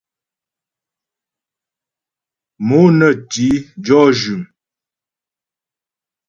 Mo nə ti jɔ́ jʉm.